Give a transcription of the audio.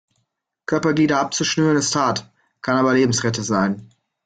Körperglieder abzuschnüren ist hart, kann aber lebensrettend sein.